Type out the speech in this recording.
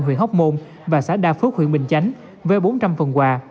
huyện hóc môn và xã đa phước huyện bình chánh với bốn trăm linh phần quà